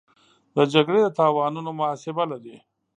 د جګړې د تاوانونو محاسبه لري.